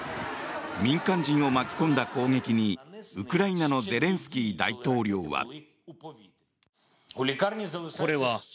民間人を巻き込んだ攻撃にウクライナのゼレンスキー大統領は。